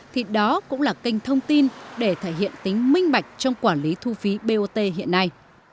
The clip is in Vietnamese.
thì đó cũng là kênh thông tin để thể hiện tính minh bạch trong quản lý thu phí bot hiện nay